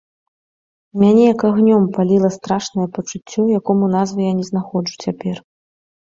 Мяне, як агнём, паліла страшнае пачуццё, якому назвы я не знаходжу цяпер.